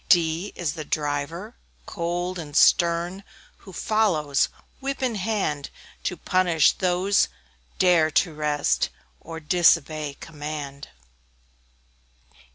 D D is the Driver, cold and stern, Who follows, whip in hand, To punish those who dare to rest, Or disobey command.